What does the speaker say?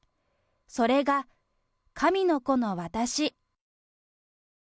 それが神の子の私。